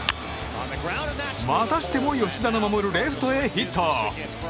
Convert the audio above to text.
またしても吉田の守るレフトへヒット。